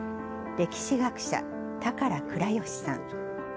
歴史学者、高良倉吉さん。